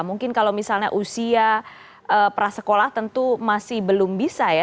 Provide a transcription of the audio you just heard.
mungkin kalau misalnya usia prasekolah tentu masih belum bisa ya